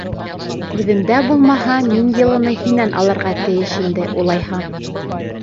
Үҙемдә булмаһа, мин йылыны һинән алырға тейеш инде, улайһа!